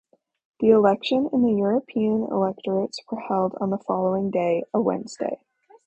The election in the European electorates was held on the following day, a Wednesday.